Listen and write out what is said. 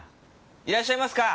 いらっしゃいますか！？